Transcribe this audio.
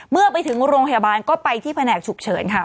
เมื่อไปถึงโรงพยาบาลก็ไปที่แผนกฉุกเฉินค่ะ